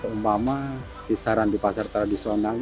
umpama kisaran di pasar tradisional